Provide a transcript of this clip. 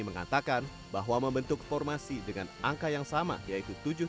mengatakan bahwa membentuk formasi dengan angka yang sama yaitu tujuh puluh